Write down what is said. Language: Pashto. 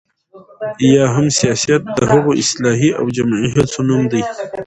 یا هم سياست د هغو اصلاحي او جمعي هڅو نوم دی،